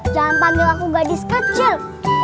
jangan panggil aku gadis kecil